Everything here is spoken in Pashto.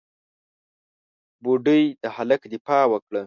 بوډۍ د هلک دفاع وکړه.